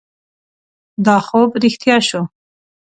دا خوب رښتیا شو.